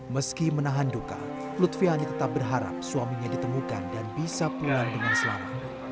meski menahan duka lutfiani tetap berharap suaminya ditemukan dan bisa pulang dengan selamat